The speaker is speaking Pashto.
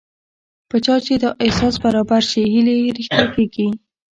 په چا چې دا احساس برابر شي هیلې یې رښتیا کېږي